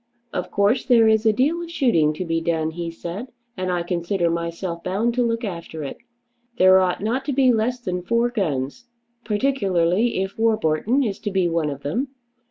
"Of course there is a deal of shooting to be done," he said, "and I consider myself bound to look after it. There ought not to be less than four guns, particularly if Warburton is to be one of them.